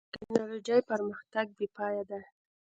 د ټکنالوجۍ پرمختګ بېپای دی.